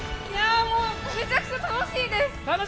もうめちゃくちゃ楽しいです。